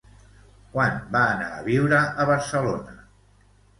Quan va anar a viure a Barcelona?